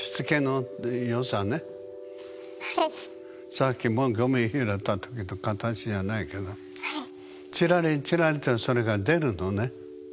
さっきもゴミ拾ったときの形じゃないけどチラリチラリとそれが出るのね。